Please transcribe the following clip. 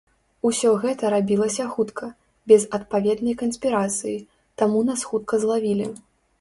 Усё гэта рабілася хутка, без адпаведнай канспірацыі, таму нас хутка злавілі.